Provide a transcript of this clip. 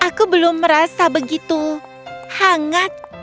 aku belum merasa begitu hangat